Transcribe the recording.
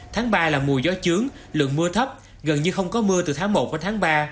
tháng ba là mùa gió chướng lượng mưa thấp gần như không có mưa từ tháng một đến tháng ba